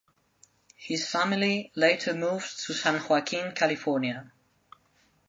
His family later moved to San Joaquin, California.